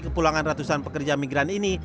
kepulangan ratusan pekerja migran ini